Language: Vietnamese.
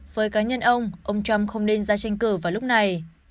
với cá nhân ông ông trump không nên ra tranh cử vào lúc này